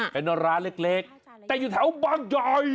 เป็นร้านเล็กแต่อยู่แถวบางยอย